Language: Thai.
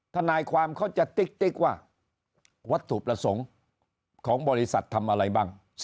ทนายความเขาจะติ๊กว่าวัตถุประสงค์ของบริษัททำอะไรบ้าง